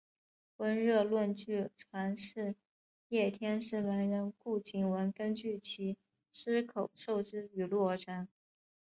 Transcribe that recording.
温热论据传是叶天士门人顾景文根据其师口授之语录而成。